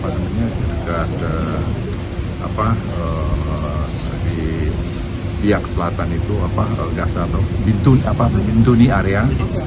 ada di pihak selatan itu gas atau bintuni area